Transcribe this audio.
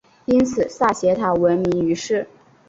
因比萨斜塔闻名于世。